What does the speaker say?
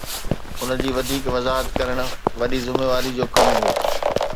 ان جي وڌيڪ وضاحت ڪرڻ وڏي ذميواري جو ڪم هو